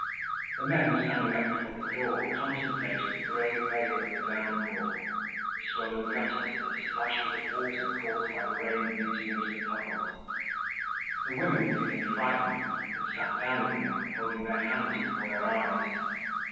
The men standing up before the door contemplated the grey veil of the downpour, the swollen gutters, the splashes of water caused by the rain beating into the puddles. The women, feeling frightened, had sat down again, holding their hands before their eyes.